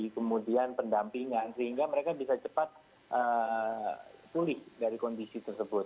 kemudian pendampingan sehingga mereka bisa cepat pulih dari kondisi tersebut